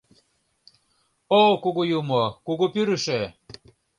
О кугу юмо, кугу пӱрышӧ!